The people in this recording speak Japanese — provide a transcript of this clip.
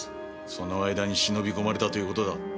その間に忍び込まれたという事だ。